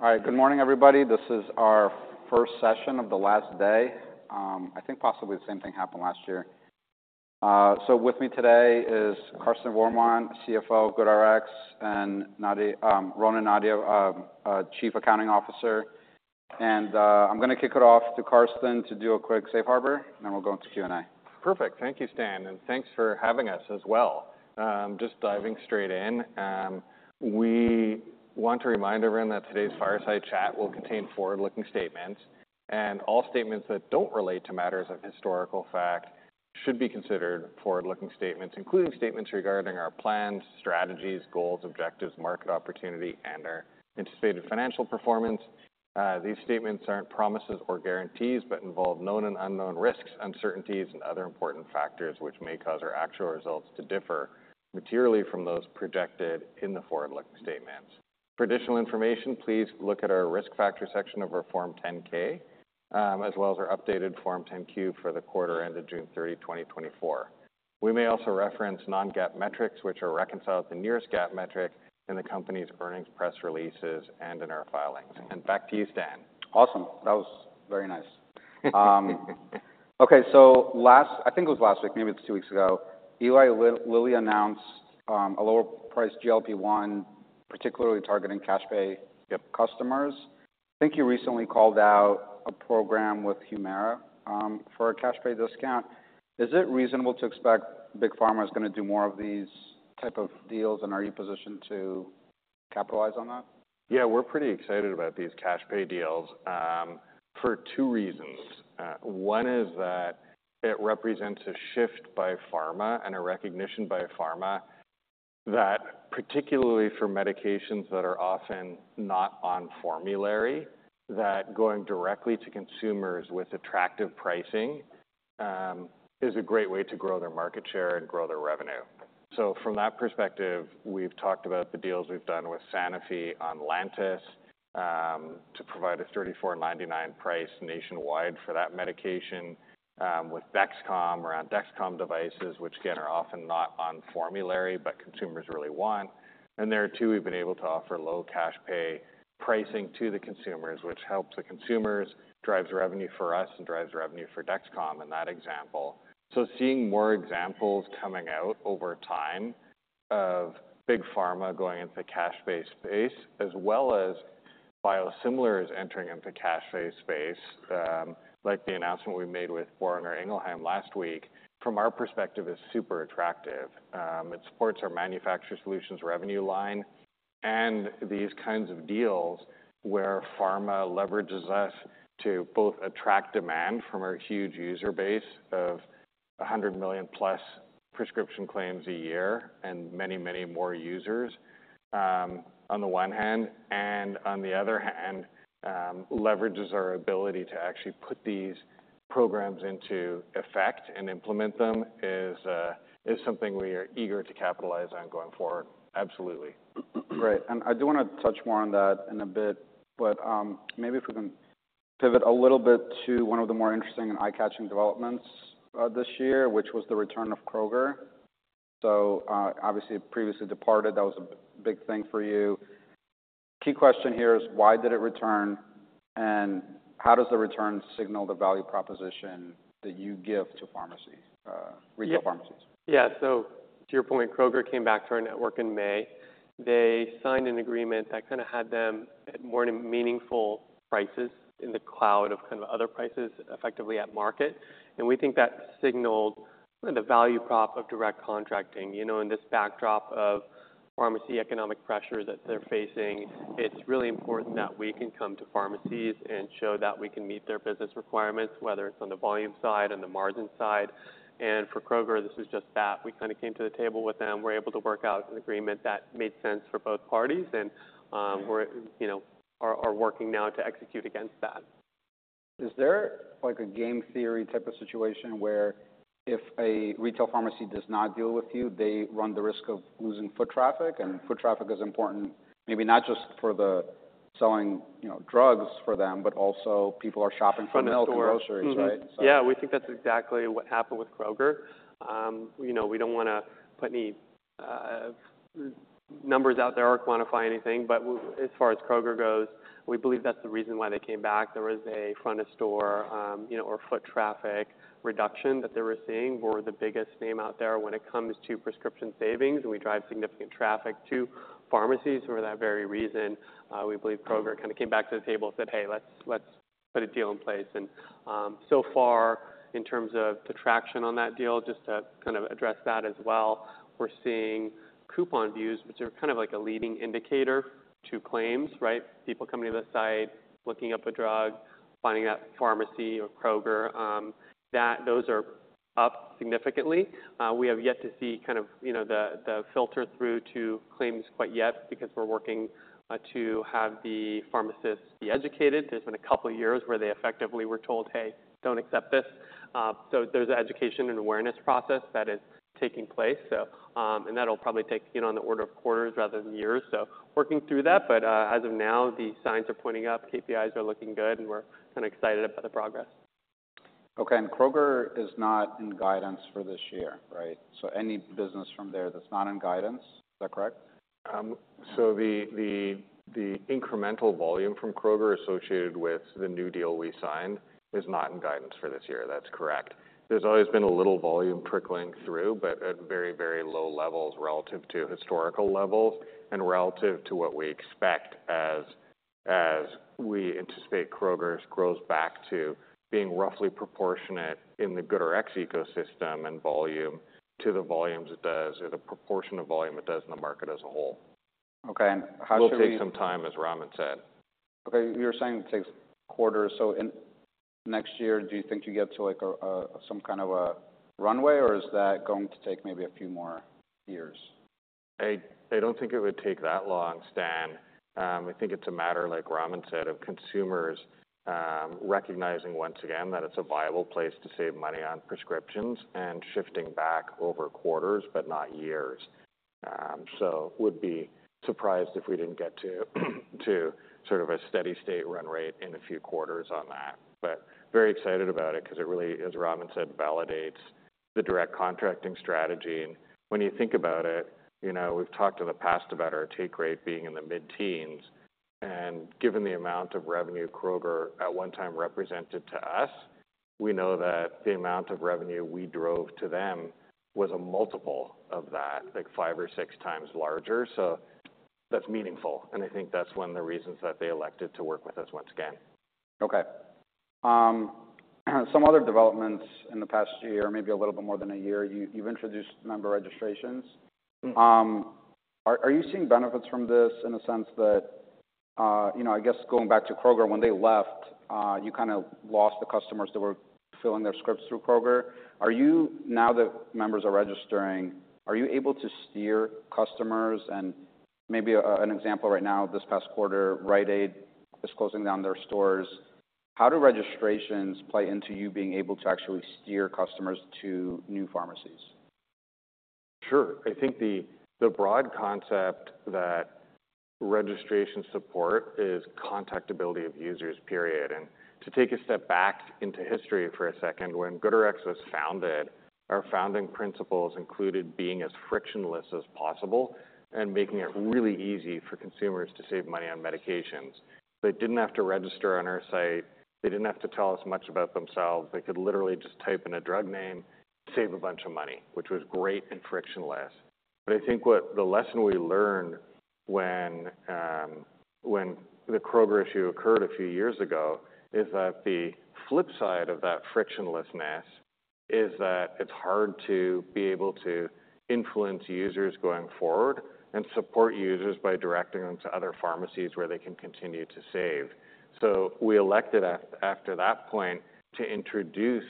All right. Good morning, everybody. This is our first session of the last day. I think possibly the same thing happened last year. So with me today is Karsten Voermann, CFO of GoodRx, and Ramin Nabiey, Chief Accounting Officer and I'm gonna kick it off to Karsten to do a quick safe harbor, and then we'll go into Q&A. Perfect. Thank you, Stan, and thanks for having us as well. Just diving straight in, we want to remind everyone that today's fireside chat will contain forward-looking statements, and all statements that don't relate to matters of historical fact should be considered forward-looking statements, including statements regarding our plans, strategies, goals, objectives, market opportunity, and our anticipated financial performance. These statements aren't promises or guarantees, but involve known and unknown risks, uncertainties, and other important factors, which may cause our actual results to differ materially from those projected in the forward-looking statements. For additional information, please look at our risk factor section of our Form 10-K, as well as our updated Form 10-Q for the quarter ended June 30, 2024. We may also reference non-GAAP metrics, which are reconciled to the nearest GAAP metric in the company's earnings, press releases, and in our filings, and back to you, Stan. Awesome. That was very nice. Okay, so I think it was last week, maybe it was two weeks ago, Eli Lilly announced a lower priced GLP-1, particularly targeting cash pay customers. I think you recently called out a program with Humira for a cash pay discount. Is it reasonable to expect Big Pharma is gonna do more of these type of deals, and are you positioned to capitalize on that? Yeah, we're pretty excited about these cash pay deals for two reasons. One is that it represents a shift by pharma and a recognition by pharma that, particularly for medications that are often not on formulary, that going directly to consumers with attractive pricing is a great way to grow their market share and grow their revenue. So from that perspective, we've talked about the deals we've done with Sanofi on Lantus to provide a $34.99 price nationwide for that medication with Dexcom or on Dexcom devices, which again, are often not on formulary, but consumers really want. And there, too, we've been able to offer low cash pay pricing to the consumers, which helps the consumers, drives revenue for us, and drives revenue for Dexcom in that example. So seeing more examples coming out over time of Big Pharma going into the cash-based space, as well as biosimilars entering into cash-based space, like the announcement we made with Boehringer Ingelheim last week, from our perspective, is super attractive. It supports our Manufacturer Solutions revenue line and these kinds of deals where pharma leverages us to both attract demand from our huge user base of 100 million plus prescription claims a year and many, many more users, on the one hand, and on the other hand, leverages our ability to actually put these programs into effect and implement them is something we are eager to capitalize on going forward. Absolutely. Great, and I do wanna touch more on that in a bit, but, maybe if we can pivot a little bit to one of the more interesting and eye-catching developments, this year, which was the return of Kroger. So, obviously previously departed, that was a big thing for you. Key question here is: Why did it return? And how does the return signal the value proposition that you give to pharmacies, retail pharmacies? Yeah. So to your point, Kroger came back to our network in May. They signed an agreement that kind of had them at more meaningful prices in the cloud of kind of other prices, effectively at market. And we think that signaled the value prop of direct contracting. You know, in this backdrop of pharmacy economic pressures that they're facing, it's really important that we can come to pharmacies and show that we can meet their business requirements, whether it's on the volume side, on the margin side. And for Kroger, this was just that. We kind of came to the table with them. We're able to work out an agreement that made sense for both parties, and we're, you know, working now to execute against that. Is there like a game theory type of situation where if a retail pharmacy does not deal with you, they run the risk of losing foot traffic, and foot traffic is important, maybe not just for the selling, you know, drugs for them, but also people are shopping for milk and groceries, right? Mm-hmm. Yeah, we think that's exactly what happened with Kroger. You know, we don't wanna put any numbers out there or quantify anything, but as far as Kroger goes, we believe that's the reason why they came back. There was a front of store, you know, or foot traffic reduction that they were seeing. We're the biggest name out there when it comes to prescription savings, and we drive significant traffic to pharmacies for that very reason. We believe Kroger kind of came back to the table and said, "Hey, let's, let's put a deal in place." And so far, in terms of the traction on that deal, just to kind of address that as well, we're seeing coupon views, which are kind of like a leading indicator to claims, right? People coming to the site, looking up a drug, finding that pharmacy or Kroger, those are up significantly. We have yet to see kind of, you know, the filter through to claims quite yet because we're working to have the pharmacists be educated. There's been a couple of years where they effectively were told, "Hey, don't accept this." So there's an education and awareness process that is taking place, and that'll probably take, you know, on the order of quarters rather than years, so working through that, but as of now, the signs are pointing up, KPIs are looking good, and we're kind of excited about the progress. ... Okay, and Kroger is not in guidance for this year, right? So any business from there, that's not in guidance, is that correct? So the incremental volume from Kroger associated with the new deal we signed is not in guidance for this year. That's correct. There's always been a little volume trickling through, but at very, very low levels relative to historical levels and relative to what we expect as we anticipate Kroger's grows back to being roughly proportionate in the GoodRx ecosystem and volume to the volumes it does, or the proportion of volume it does in the market as a whole. Okay, and how should we- Will take some time, as Ramin said. Okay, you're saying it takes quarters. So in next year, do you think you get to, like, some kind of a runway, or is that going to take maybe a few more years? I don't think it would take that long, Stan. I think it's a matter, like Ramin said, of consumers recognizing once again that it's a viable place to save money on prescriptions and shifting back over quarters, but not years. So would be surprised if we didn't get to sort of a steady state run rate in a few quarters on that. But very excited about it because it really, as Ramin said, validates the direct contracting strategy. And when you think about it, you know, we've talked in the past about our take rate being in the mid-teens, and given the amount of revenue Kroger at one time represented to us, we know that the amount of revenue we drove to them was a multiple of that, like five or six times larger. So that's meaningful, and I think that's one of the reasons that they elected to work with us once again. Okay. Some other developments in the past year, maybe a little bit more than a year, you've introduced member registrations. Mm-hmm. Are you seeing benefits from this in the sense that, you know, I guess going back to Kroger, when they left, you kind of lost the customers that were filling their scripts through Kroger. Are you, now that members are registering, able to steer customers? And maybe an example right now, this past quarter, Rite Aid is closing down their stores. How do registrations play into you being able to actually steer customers to new pharmacies? Sure. I think the broad concept that registration support is contactability of users, period. And to take a step back into history for a second, when GoodRx was founded, our founding principles included being as frictionless as possible and making it really easy for consumers to save money on medications. They didn't have to register on our site. They didn't have to tell us much about themselves. They could literally just type in a drug name, save a bunch of money, which was great and frictionless. But I think what the lesson we learned when the Kroger issue occurred a few years ago, is that the flip side of that frictionlessness is that it's hard to be able to influence users going forward and support users by directing them to other pharmacies where they can continue to save. So we elected after that point to introduce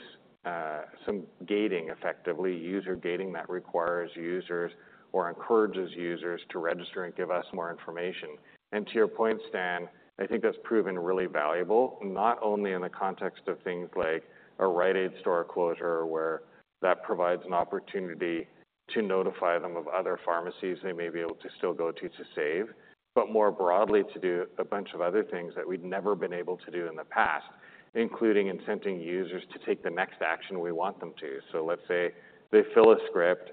some gating, effectively, user gating, that requires users or encourages users to register and give us more information. And to your point, Stan, I think that's proven really valuable, not only in the context of things like a Rite Aid store closure, where that provides an opportunity to notify them of other pharmacies they may be able to still go to, to save, but more broadly, to do a bunch of other things that we'd never been able to do in the past, including incenting users to take the next action we want them to. So let's say they fill a script,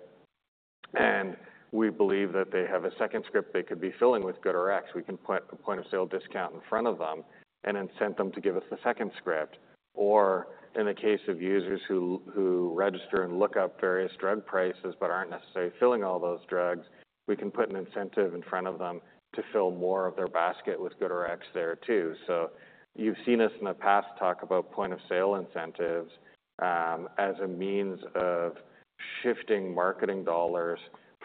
and we believe that they have a second script they could be filling with GoodRx. We can put a point of sale discount in front of them and incent them to give us the second script. Or in the case of users who register and look up various drug prices but aren't necessarily filling all those drugs, we can put an incentive in front of them to fill more of their basket with GoodRx there, too. So you've seen us in the past talk about point of sale incentives, as a means of shifting marketing dollars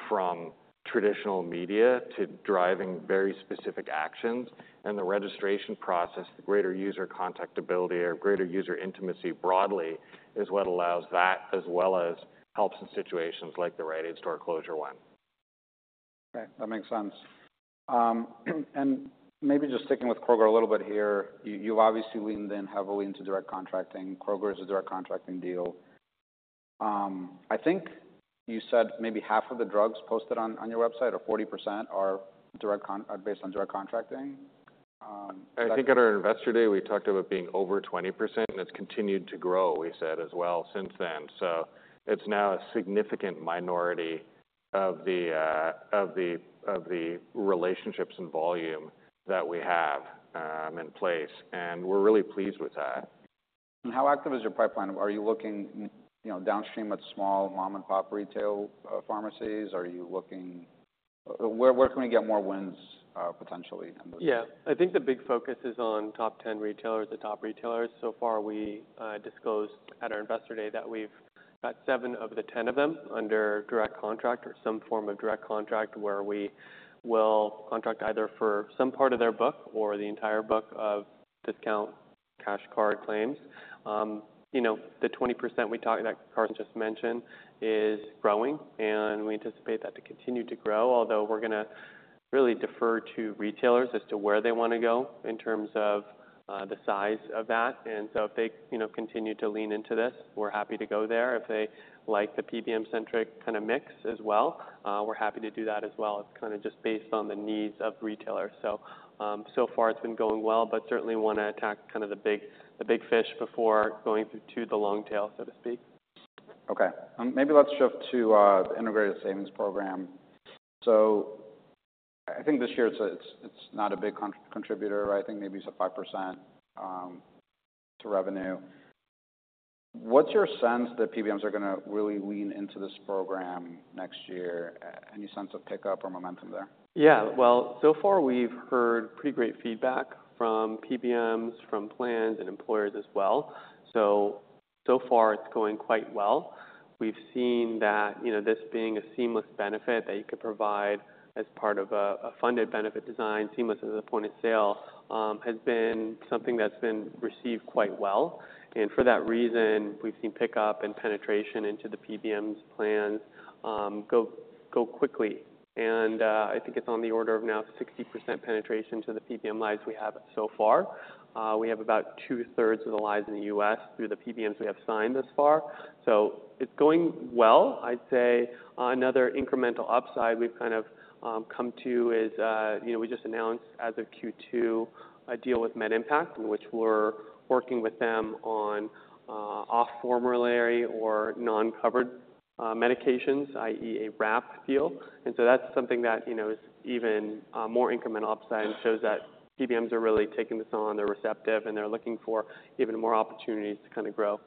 from traditional media to driving very specific actions. And the registration process, the greater user contactability or greater user intimacy broadly, is what allows that, as well as helps in situations like the Rite Aid store closure one. Okay, that makes sense, and maybe just sticking with Kroger a little bit here. You've obviously leaned in heavily into direct contracting. Kroger is a direct contracting deal. I think you said maybe half of the drugs posted on your website, or 40% are based on direct contracting. I think at our Investor Day, we talked about being over 20%, and it's continued to grow, we said as well since then. So it's now a significant minority of the relationships and volume that we have in place, and we're really pleased with that. How active is your pipeline? Are you looking, you know, downstream at small mom-and-pop retail pharmacies? Are you looking... Where can we get more wins, potentially? Yeah. I think the big focus is on top ten retailers, the top retailers. So far, we disclosed at our Investor Day that we've got seven of the 10 of them under direct contract or some form of direct contract, where we will contract either for some part of their book or the entire book of discount cash card claims. You know, the 20% we talked about, Karsten just mentioned, is growing, and we anticipate that to continue to grow, although we're gonna really defer to retailers as to where they wanna go in terms of the size of that. And so if they, you know, continue to lean into this, we're happy to go there. If they like the PBM-centric kind of mix as well, we're happy to do that as well. It's kind of just based on the needs of retailers. So far it's been going well, but certainly wanna attack kind of the big fish before going to the long tail, so to speak.... Okay, maybe let's shift to the Integrated Savings Program. So I think this year it's not a big contributor, right? I think maybe it's a 5% to revenue. What's your sense that PBMs are gonna really lean into this program next year? Any sense of pickup or momentum there? Yeah. Well, so far we've heard pretty great feedback from PBMs, from plans, and employers as well. So, so far it's going quite well. We've seen that, you know, this being a seamless benefit that you can provide as part of a, a funded benefit design, seamless as a point-of-sale, has been something that's been received quite well, and for that reason, we've seen pickup and penetration into the PBMs plans, go quickly. And, I think it's on the order of now 60% penetration to the PBM lives we have so far. We have about two-thirds of the lives in the U.S. through the PBMs we have signed thus far, so it's going well. I'd say another incremental upside we've kind of come to is, you know, we just announced as of Q2, a deal with MedImpact, in which we're working with them on, off formulary or non-covered medications, i.e., a wrap deal. And so that's something that, you know, is even more incremental upside and shows that PBMs are really taking this on, they're receptive, and they're looking for even more opportunities to kind of grow.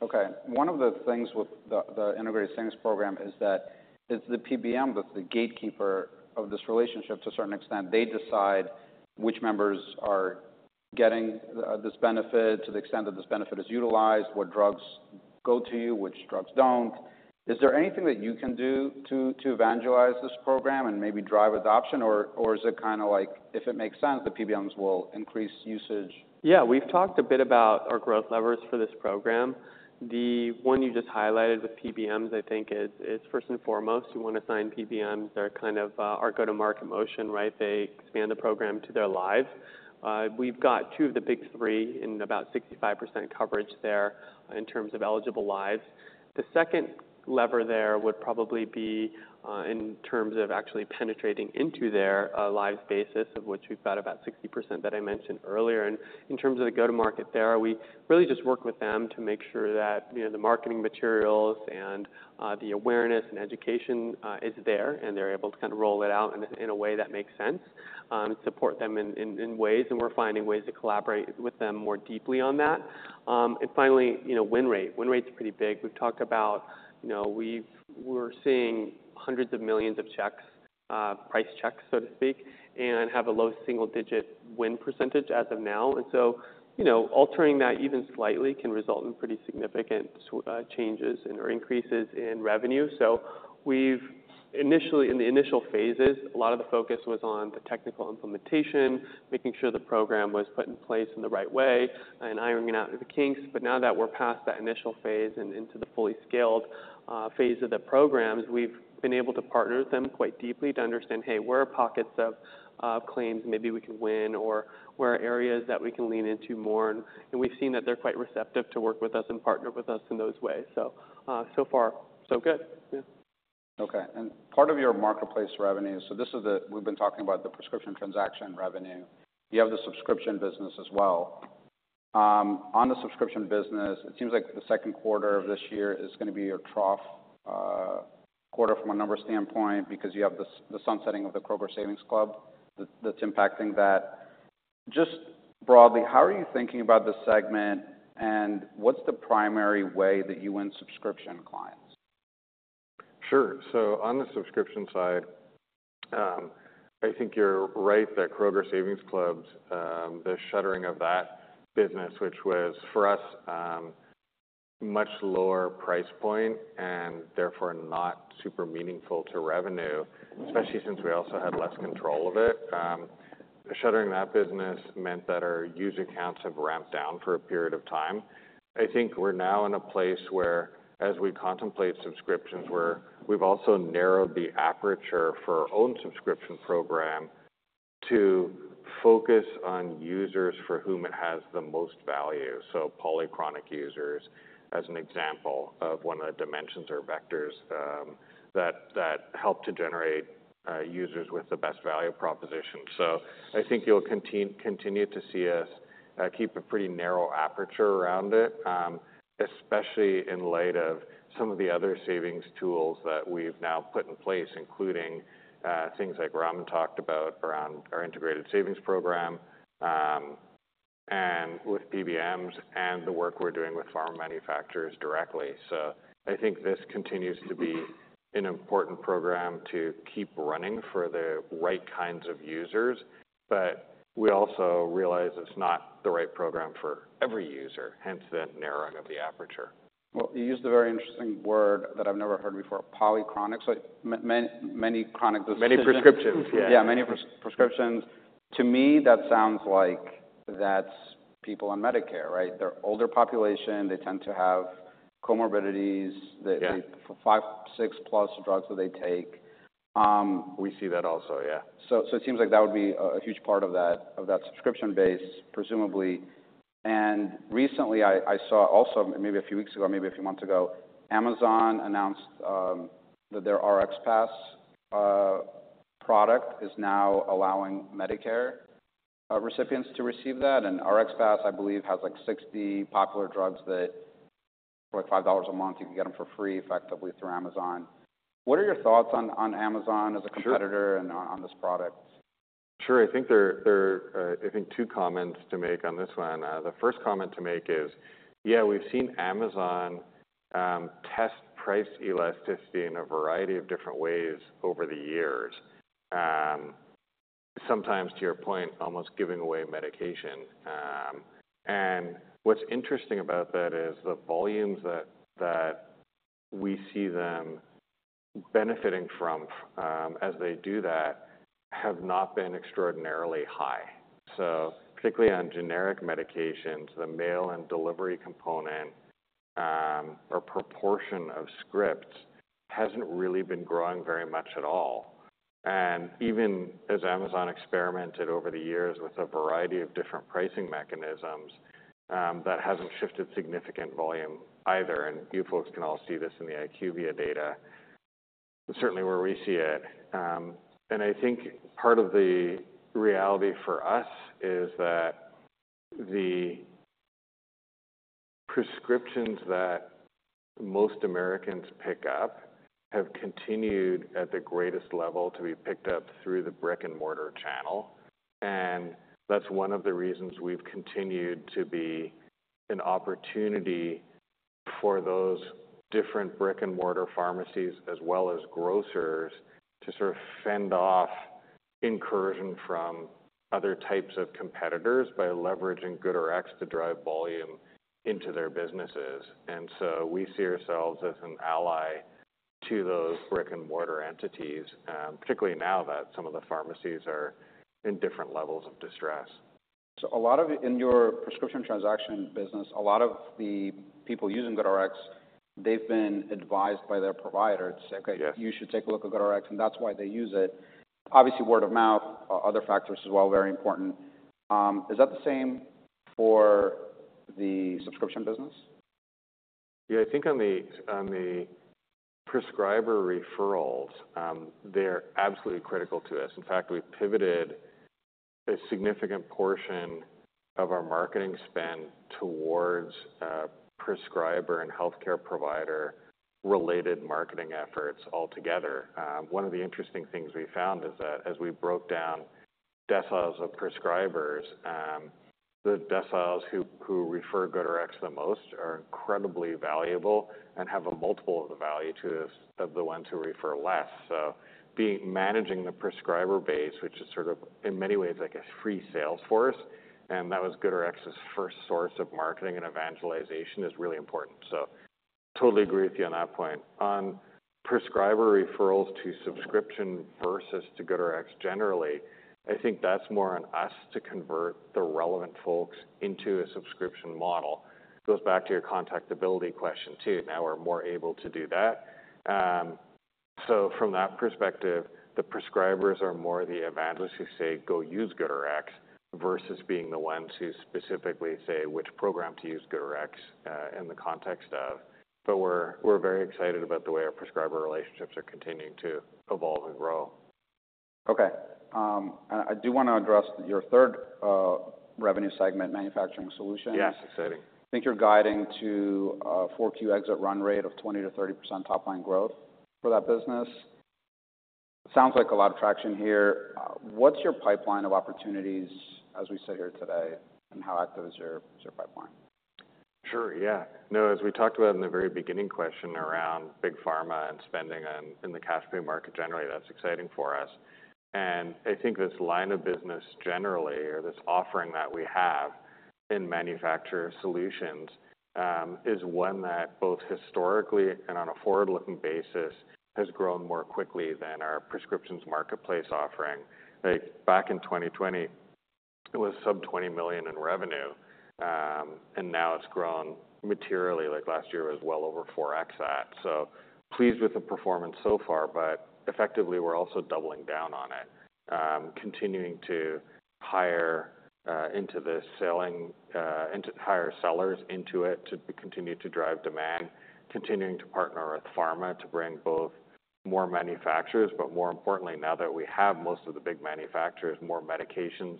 Okay. One of the things with the Integrated Savings Program is that it's the PBM that's the gatekeeper of this relationship to a certain extent. They decide which members are getting this benefit, to the extent that this benefit is utilized, what drugs go to you, which drugs don't. Is there anything that you can do to evangelize this program and maybe drive adoption? Or is it kind of like, if it makes sense, the PBMs will increase usage? Yeah. We've talked a bit about our growth levers for this program. The one you just highlighted with PBMs, I think is first and foremost, we want to sign PBMs. They're kind of our go-to-market motion, right? They expand the program to their lives. We've got two of the big three in about 65% coverage there in terms of eligible lives. The second lever there would probably be in terms of actually penetrating into their lives basis, of which we've got about 60% that I mentioned earlier. And in terms of the go-to-market there, we really just work with them to make sure that, you know, the marketing materials and, the awareness and education, is there, and they're able to kind of roll it out in a way that makes sense, and support them in ways, and we're finding ways to collaborate with them more deeply on that. And finally, you know, win rate. Win rate's pretty big. We've talked about, you know, we're seeing hundreds of millions of checks, price checks, so to speak, and have a low single-digit win % as of now. And so, you know, altering that even slightly can result in pretty significant, changes and/or increases in revenue. So we've initially, in the initial phases, a lot of the focus was on the technical implementation, making sure the program was put in place in the right way, and ironing out the kinks. But now that we're past that initial phase and into the fully scaled phase of the programs, we've been able to partner with them quite deeply to understand, hey, where are pockets of claims maybe we can win, or where are areas that we can lean into more? And we've seen that they're quite receptive to work with us and partner with us in those ways. So, so far, so good. Yeah. Okay. And part of your marketplace revenue, so this is the... We've been talking about the prescription transaction revenue. You have the subscription business as well. On the subscription business, it seems like the second quarter of this year is gonna be your trough quarter from a number standpoint, because you have the sunsetting of the Kroger Savings Club that's impacting that. Just broadly, how are you thinking about this segment, and what's the primary way that you win subscription clients? Sure, so on the subscription side, I think you're right that Kroger Savings Club, the shuttering of that business, which was, for us, much lower price point and therefore not super meaningful to revenue, especially since we also had less control of it. Shuttering that business meant that our user counts have ramped down for a period of time. I think we're now in a place where, as we contemplate subscriptions, where we've also narrowed the aperture for our own subscription program to focus on users for whom it has the most value, so polychronic users, as an example of one of the dimensions or vectors, that help to generate, users with the best value proposition. So I think you'll continue to see us keep a pretty narrow aperture around it, especially in light of some of the other savings tools that we've now put in place, including things like Ramin talked about around our Integrated Savings Program, and with PBMs and the work we're doing with Pharma Manufacturers directly. So I think this continues to be an important program to keep running for the right kinds of users, but we also realize it's not the right program for every user, hence the narrowing of the aperture. You used a very interesting word that I've never heard before, polychronic. So many chronic- Many prescriptions. Yeah, many prescriptions. To me, that sounds like that's people on Medicare, right? They're older population, they tend to have comorbidities. Yeah... They take five, six-plus drugs that they take. We see that also, yeah. So it seems like that would be a huge part of that subscription base, presumably. And recently, I saw also, maybe a few weeks ago, maybe a few months ago, Amazon announced that their RxPass product is now allowing Medicare recipients to receive that, and RxPass, I believe, has, like, 60 popular drugs that for like $5 a month, you can get them for free, effectively, through Amazon. What are your thoughts on Amazon as a competitor? Sure. and on this product? Sure. I think two comments to make on this one. The first comment to make is, yeah, we've seen Amazon test price elasticity in a variety of different ways over the years. Sometimes, to your point, almost giving away medication. And what's interesting about that is the volumes that we see them benefiting from as they do that have not been extraordinarily high. So particularly on generic medications, the mail and delivery component or proportion of scripts hasn't really been growing very much at all. And even as Amazon experimented over the years with a variety of different pricing mechanisms, that hasn't shifted significant volume either, and you folks can all see this in the IQVIA data, certainly where we see it. And I think part of the reality for us is that the prescriptions that most Americans pick up have continued at the greatest level to be picked up through the brick-and-mortar channel. And that's one of the reasons we've continued to be an opportunity for those different brick-and-mortar pharmacies, as well as grocers, to sort of fend off incursion from other types of competitors by leveraging GoodRx to drive volume into their businesses. And so we see ourselves as an ally to those brick-and-mortar entities, particularly now that some of the pharmacies are in different levels of distress. In your prescription transaction business, a lot of the people using GoodRx, they've been advised by their provider to say- Yes. Okay, you should take a look at GoodRx, and that's why they use it. Obviously, word of mouth, other factors as well, very important. Is that the same for the subscription business? Yeah, I think on the prescriber referrals, they're absolutely critical to us. In fact, we've pivoted a significant portion of our marketing spend towards prescriber and healthcare provider-related marketing efforts altogether. One of the interesting things we found is that as we broke down deciles of prescribers, the deciles who refer GoodRx the most are incredibly valuable and have a multiple of the value to us of the ones who refer less. So being managing the prescriber base, which is sort of, in many ways, like a free sales force, and that was GoodRx's first source of marketing and evangelization, is really important. So totally agree with you on that point. On prescriber referrals to subscription versus to GoodRx, generally, I think that's more on us to convert the relevant folks into a subscription model. It goes back to your contactability question, too. Now we're more able to do that. So from that perspective, the prescribers are more the evangelists who say, "Go use GoodRx," versus being the ones who specifically say which program to use GoodRx, in the context of. But we're very excited about the way our prescriber relationships are continuing to evolve and grow. Okay. I do want to address your third revenue segment, Manufacturer Solutions. Yes, exciting. I think you're guiding to a 4Q exit run rate of 20%-30% top line growth for that business. Sounds like a lot of traction here. What's your pipeline of opportunities as we sit here today, and how active is your pipeline? Sure, yeah. No, as we talked about in the very beginning question around big pharma and spending on, in the cash pay market, generally, that's exciting for us, and I think this line of business, generally, or this offering that we have in Manufacturer Solutions, is one that both historically and on a forward-looking basis, has grown more quickly than our prescriptions marketplace offering. Like, back in 2020, it was sub $20 million in revenue, and now it's grown materially. Like, last year was well over 4X that, so pleased with the performance so far, but effectively, we're also doubling down on it. Continuing to hire sellers into it, to continue to drive demand. Continuing to partner with pharma to bring both more manufacturers, but more importantly, now that we have most of the big manufacturers, more medications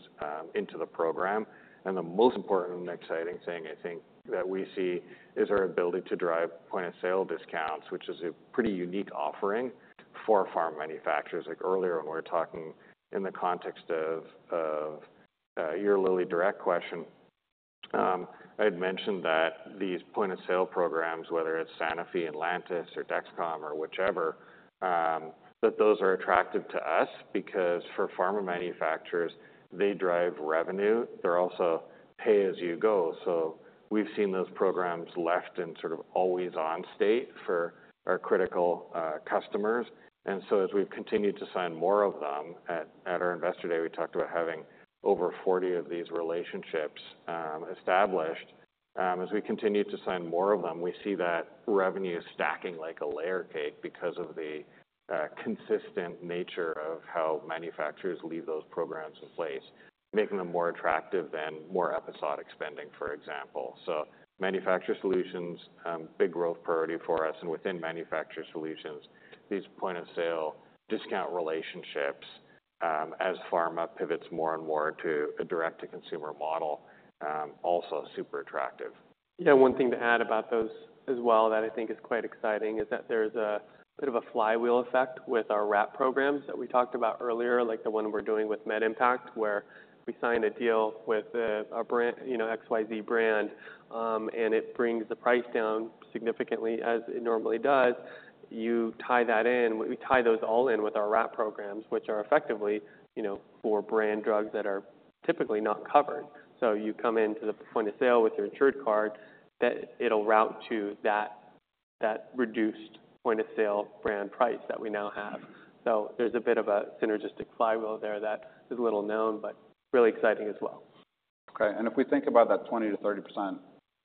into the program. And the most important and exciting thing, I think, that we see is our ability to drive point-of-sale discounts, which is a pretty unique offering for pharma manufacturers. Like earlier, when we were talking in the context of your LillyDirect question, I had mentioned that these point-of-sale programs, whether it's Sanofi, Lantus, or Dexcom or whichever, that those are attractive to us because for pharma manufacturers, they drive revenue. They're also pay-as-you-go. So we've seen those programs left in sort of always-on state for our critical customers. And so as we've continued to sign more of them, at our investor day, we talked about having over 40 of these relationships established. As we continue to sign more of them, we see that revenue is stacking like a layer cake because of the consistent nature of how manufacturers leave those programs in place, making them more attractive and more episodic spending, for example. So Manufacturer Solutions, big growth priority for us, and within Manufacturer Solutions, these point-of-sale discount relationships, as pharma pivots more and more to a direct-to-consumer model, also super attractive. Yeah, one thing to add about those as well, that I think is quite exciting, is that there's a bit of a flywheel effect with our wrap programs that we talked about earlier, like the one we're doing with MedImpact, where we signed a deal with a brand, you know, XYZ brand, and it brings the price down significantly, as it normally does. You tie that in. We tie those all in with our wrap programs, which are effectively, you know, for brand drugs that are typically not covered. So you come into the point of sale with your insured card, that it'll route to that reduced point-of-sale brand price that we now have. So there's a bit of a synergistic flywheel there that is little known, but really exciting as well. Okay, and if we think about that 20%-30%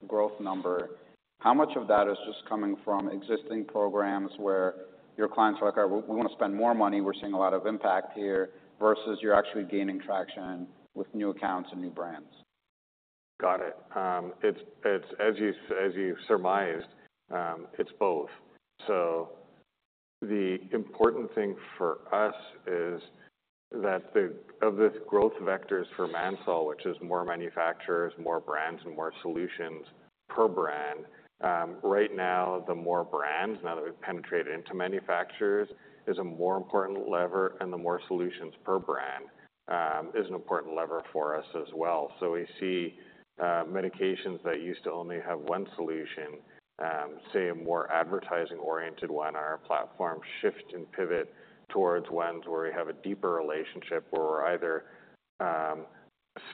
growth number, how much of that is just coming from existing programs where your clients are like, "We want to spend more money, we're seeing a lot of impact here," versus you're actually gaining traction with new accounts and new brands? Got it. It's as you surmised, it's both. The important thing for us is that of this growth vectors for Manufacturer Solutions, which is more manufacturers, more brands, and more solutions per brand, right now, the more brands, now that we've penetrated into manufacturers, is a more important lever, and the more solutions per brand, is an important lever for us as well. So we see medications that used to only have one solution, say, a more advertising-oriented one, our platform shift and pivot towards ones where we have a deeper relationship, where we're either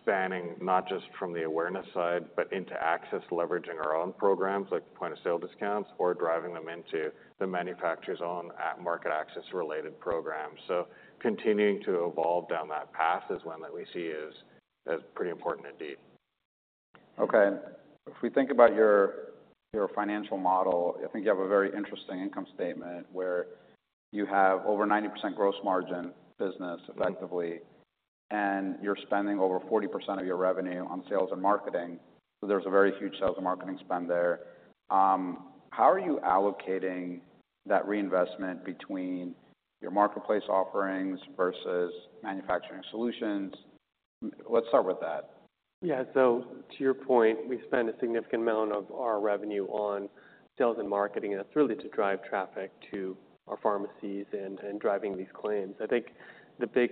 spanning not just from the awareness side, but into access, leveraging our own programs, like point-of-sale discounts or driving them into the manufacturer's own at-market-access related programs. So continuing to evolve down that path is one that we see is pretty important indeed. Okay. If we think about your financial model, I think you have a very interesting income statement, where you have over 90% gross margin business effectively, and you're spending over 40% of your revenue on sales and marketing. So there's a very huge sales and marketing spend there. How are you allocating that reinvestment between your marketplace offerings versus manufacturer solutions? Let's start with that. Yeah. So to your point, we spend a significant amount of our revenue on sales and marketing, and that's really to drive traffic to our pharmacies and driving these claims. I think the big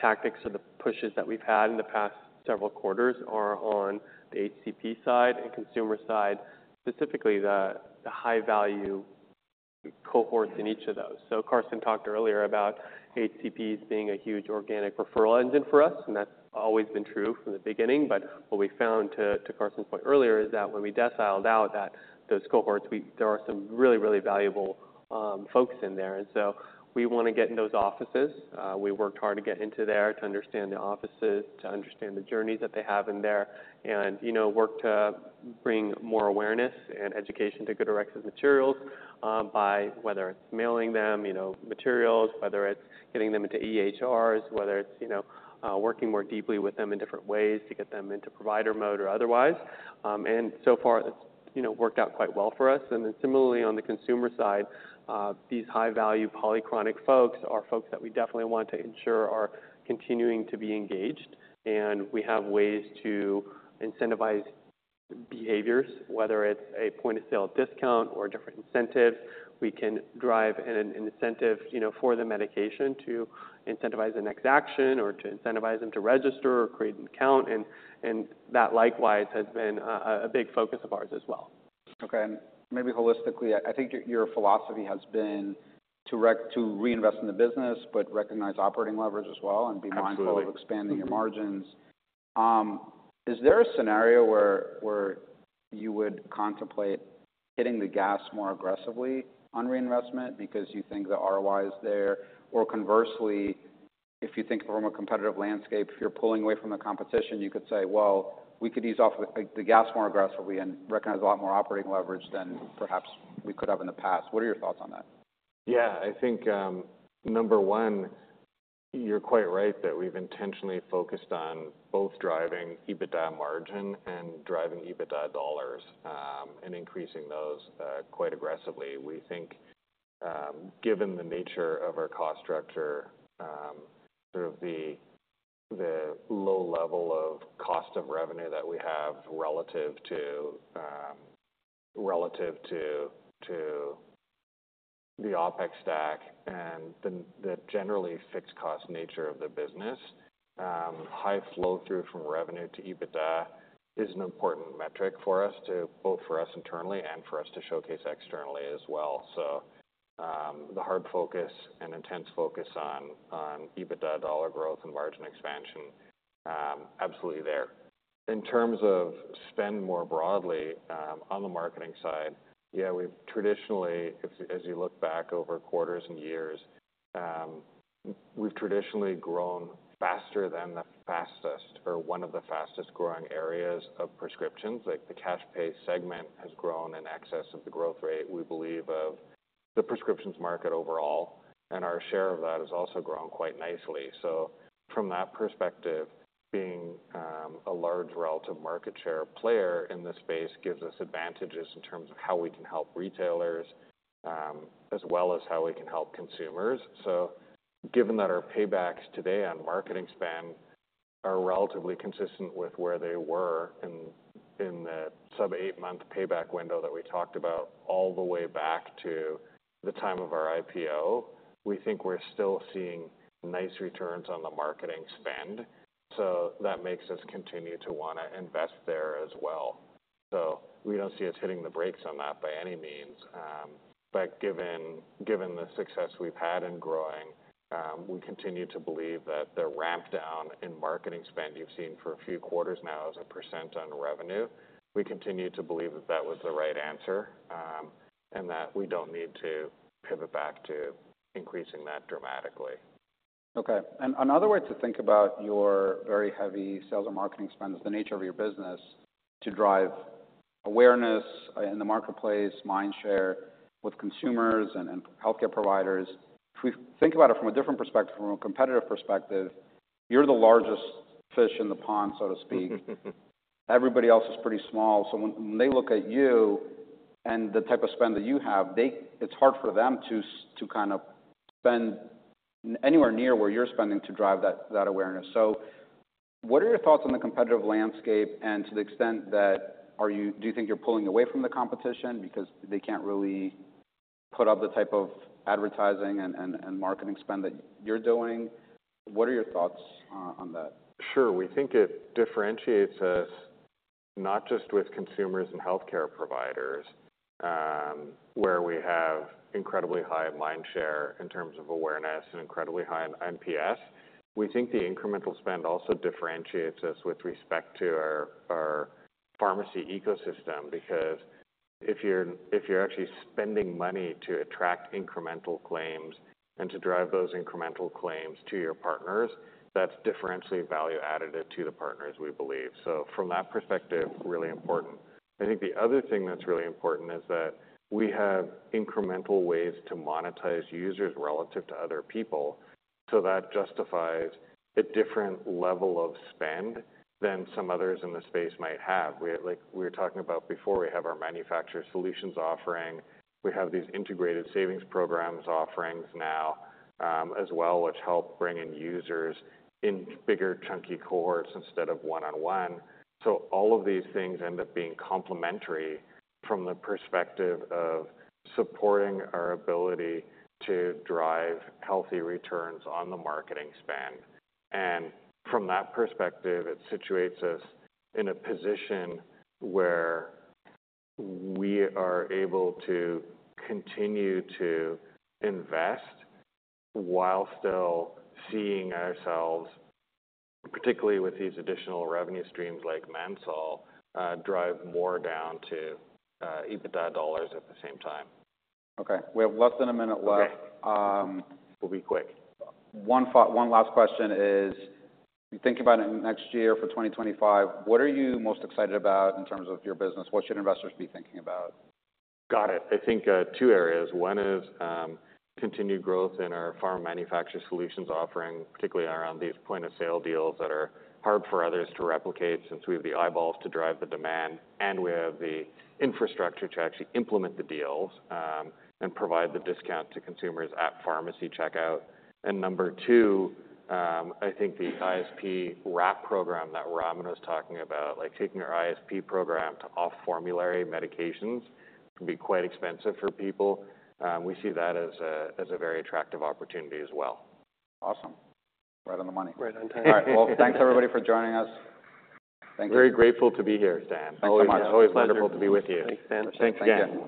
tactics or the pushes that we've had in the past several quarters are on the HCP side and consumer side, specifically the high-value cohorts in each of those. So Karsten talked earlier about HCPs being a huge organic referral engine for us, and that's always been true from the beginning. But what we found, to Karsten's point earlier, is that when we deciled out those cohorts, there are some really, really valuable folks in there. And so we want to get in those offices. We worked hard to get into there, to understand the offices, to understand the journeys that they have in there, and, you know, work to bring more awareness and education to GoodRx's materials, by whether it's mailing them, you know, materials, whether it's getting them into EHRs, whether it's, you know, working more deeply with them in different ways to get them into Provider Mode or otherwise. And so far it's, you know, worked out quite well for us. And then similarly, on the consumer side, these high-value polychronic folks are folks that we definitely want to ensure are continuing to be engaged, and we have ways to incentivize behaviors, whether it's a point-of-sale discount or a different incentive. We can drive an incentive, you know, for the medication to incentivize the next action or to incentivize them to register or create an account, and that likewise has been a big focus of ours as well. Okay. And maybe holistically, I think your philosophy has been to reinvest in the business, but recognize operating leverage as well. Absolutely. And be mindful of expanding your margins. Is there a scenario where you would contemplate hitting the gas more aggressively on reinvestment because you think the ROI is there? Or conversely, if you think from a competitive landscape, if you're pulling away from the competition, you could say, "Well, we could ease off with the gas more aggressively and recognize a lot more operating leverage than perhaps we could have in the past." What are your thoughts on that? Yeah, I think, number one, you're quite right that we've intentionally focused on both driving EBITDA margin and driving EBITDA dollars, and increasing those, quite aggressively. We think, given the nature of our cost structure, sort of the low level of cost of revenue that we have relative to the OpEx stack and the generally fixed cost nature of the business, high flow through from revenue to EBITDA is an important metric for us. Both for us internally and for us to showcase externally as well. So, the hard focus and intense focus on EBITDA dollar growth and margin expansion, absolutely there. In terms of spend more broadly, on the marketing side, yeah, we've traditionally, as you look back over quarters and years, we've traditionally grown faster than the fastest or one of the fastest-growing areas of prescriptions. Like, the cash pay segment has grown in excess of the growth rate, we believe, of the prescriptions market overall, and our share of that has also grown quite nicely. From that perspective, being a large relative market share player in this space gives us advantages in terms of how we can help retailers, as well as how we can help consumers. So given that our paybacks today on marketing spend are relatively consistent with where they were in the sub eight-month payback window that we talked about, all the way back to the time of our IPO, we think we're still seeing nice returns on the marketing spend. So that makes us continue to wanna invest there as well. So we don't see us hitting the brakes on that by any means, but given the success we've had in growing, we continue to believe that the ramp down in marketing spend you've seen for a few quarters now as a percent on revenue, we continue to believe that that was the right answer, and that we don't need to pivot back to increasing that dramatically. Okay. And another way to think about your very heavy sales and marketing spend is the nature of your business, to drive awareness in the marketplace, mind share with consumers and healthcare providers. If we think about it from a different perspective, from a competitive perspective, you're the largest fish in the pond, so to speak. Everybody else is pretty small. So when they look at you and the type of spend that you have, it's hard for them to kind of spend anywhere near where you're spending to drive that awareness. So what are your thoughts on the competitive landscape? And to the extent that, do you think you're pulling away from the competition because they can't really put up the type of advertising and marketing spend that you're doing? What are your thoughts on that? Sure. We think it differentiates us, not just with consumers and healthcare providers, where we have incredibly high mind share in terms of awareness and incredibly high NPS. We think the incremental spend also differentiates us with respect to our, our pharmacy ecosystem, because if you're, if you're actually spending money to attract incremental claims and to drive those incremental claims to your partners, that's differentially value added to the partners, we believe. So from that perspective, really important. I think the other thing that's really important is that we have incremental ways to monetize users relative to other people, so that justifies a different level of spend than some others in the space might have. We, like, we were talking about before, we have our manufacturer solutions offering. We have these Integrated Savings Programs offerings now, as well, which help bring in users in bigger chunky cohorts instead of one-on-one. So all of these things end up being complementary from the perspective of supporting our ability to drive healthy returns on the marketing spend, and from that perspective, it situates us in a position where we are able to continue to invest while still seeing ourselves, particularly with these additional revenue streams, like manufacturer solutions, drive more down to EBITDA dollars at the same time. Okay, we have less than a minute left. Okay. Um- We'll be quick. One last question is: You think about it next year, for 2025, what are you most excited about in terms of your business? What should investors be thinking about? Got it. I think, two areas. One is, continued growth in our Pharma Manufacturer Solutions offering, particularly around these point-of-sale deals that are hard for others to replicate, since we have the eyeballs to drive the demand, and we have the infrastructure to actually implement the deals, and provide the discount to consumers at pharmacy checkout, and number two, I think the ISP wrap program that Ramin was talking about, like, taking our ISP program to off-formulary medications, can be quite expensive for people. We see that as a very attractive opportunity as well. Awesome. Right on the money. Right on time. All right. Well, thanks, everybody, for joining us. Thank you. Very grateful to be here, Stan. Thanks so much. Always wonderful to be with you. Thanks, Stam. Thanks again.